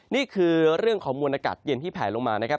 นี่คือเรื่องของมวลอากาศเย็นที่แผลลงมานะครับ